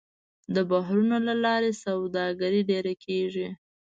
د بحرونو له لارې سوداګري ډېره کېږي.